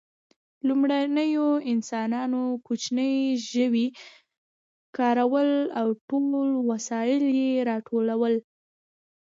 لومړنیو انسانانو کوچني ژوي ښکارول او ټول وسایل یې راټولول.